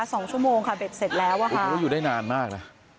สองชั่วโมงค่ะเบ็ดเสร็จแล้วอ่ะค่ะแล้วอยู่ได้นานมากน่ะ